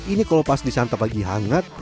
ini kalau pas disantap lagi hangat